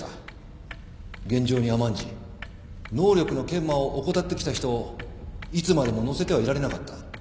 現状に甘んじ能力の研磨を怠ってきた人をいつまでも乗せてはいられなかった。